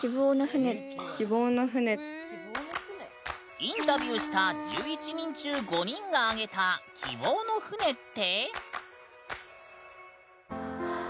インタビューした１１人中５人が挙げた「希望の船」って？